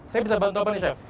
saya bisa bantu apa nih chef